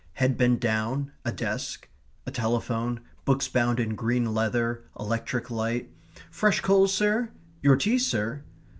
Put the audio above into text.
Head bent down, a desk, a telephone, books bound in green leather, electric light.... "Fresh coals, sir?" ... "Your tea, sir."...